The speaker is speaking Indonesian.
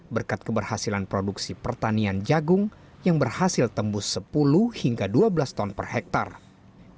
berkat keberhasilan produksi pertanian jagung yang berhasil tembus sepuluh hingga dua belas ton per hektare